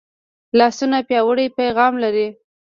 لاسونه پیاوړی پیغام لري